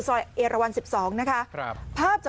กลุ่มหนึ่งก็คือ